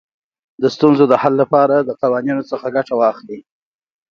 د ستونزو حل لپاره له قوانینو ګټه واخلئ.